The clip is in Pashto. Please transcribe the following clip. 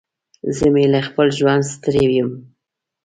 زه مې له خپل ژونده ستړی يم.